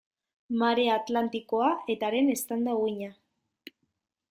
Marea Atlantikoa eta haren eztanda-uhina.